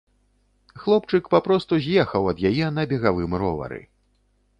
Хлопчык папросту з'ехаў ад яе на бегавым ровары.